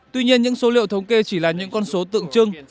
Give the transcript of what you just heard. tuy nhiên những số liệu thống kê chỉ là những con số tượng trưng